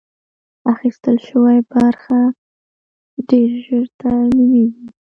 اخیستل شوې برخه ډېر ژر ترمیمېږي.